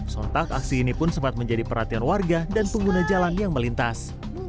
sontak aksi ini pun sempat menjadi perhatian warga dan pengguna jalan yang melintas